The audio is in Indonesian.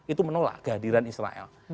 itu menolak kehadiran israel